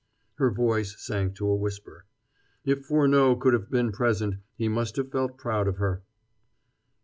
Her voice sank to a whisper. If Furneaux could have been present he must have felt proud of her.